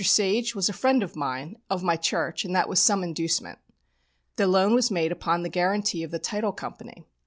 Sage was a friend of mine, of my church, and that was some inducement. The loan was made upon the guarantee of the Title Company.